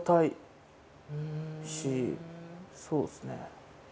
そうですね。